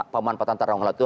pemanfaatan ruang helai itu